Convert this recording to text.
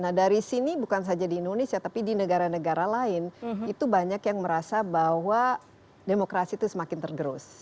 nah dari sini bukan saja di indonesia tapi di negara negara lain itu banyak yang merasa bahwa demokrasi itu semakin tergerus